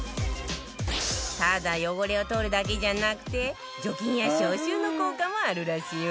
ただ汚れを取るだけじゃなくて除菌や消臭の効果もあるらしいわよ